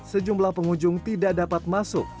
sejumlah pengunjung tidak dapat masuk